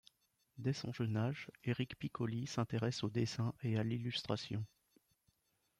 Dès son jeune âge, Éric Piccoli s'intéresse au dessin et à l'illustration.